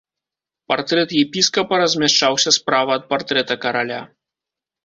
Партрэт епіскапа размяшчаўся справа ад партрэта караля.